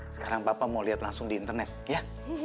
sekarang papa mau liat langsung di internet ya